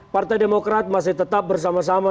partai demokrat masih tetap bersama sama